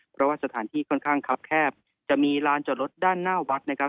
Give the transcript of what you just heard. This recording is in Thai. เพราะว่าสถานที่ค่อนข้างคับแคบจะมีลานจอดรถด้านหน้าวัดนะครับ